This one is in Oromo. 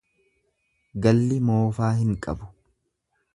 Galli moofaa hin qabu.